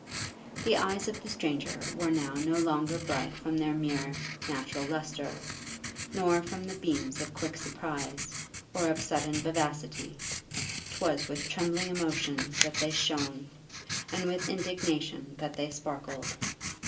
The eyes of the stranger were now no longer bright from their mere natural lustre, nor from the beams of quick surprize, or of sudden vivacity; 'twas with trembling emotion that they shone, and with indignation that they sparkled.